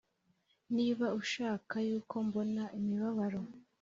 niba uzashaka yuko mbona imibabaro